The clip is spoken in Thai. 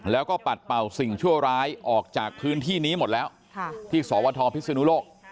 แล้วก็ปัดเป่าสิ่งชั่วร้ายออกจากพื้นที่นี้หมดแล้วที่สวทพิศนุโลก